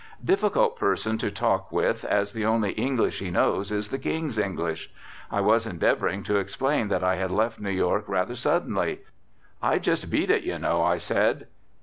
Difficult person to talk with, as the only English he knows is the King's English. I was endeavouring to explain that I had left New York rather suddenly. "I just beat it, you know," I said.